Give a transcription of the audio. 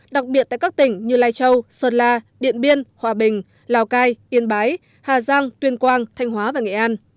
đặc biệt tại các tỉnh như lai châu sơn la điện biên hòa bình lào cai yên bái hà giang tuyên quang thanh hóa và nghệ an